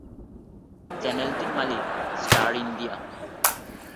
চ্যানেলটির মালিক 'star India'.